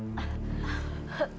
emang gitu ya dok